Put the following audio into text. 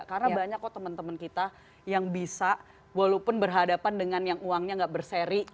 karena banyak kok teman teman kita yang bisa walaupun berhadapan dengan yang uangnya gak berseri